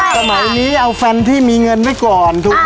สมัยนี้เอาแฟนที่มีเงินให้ก่อน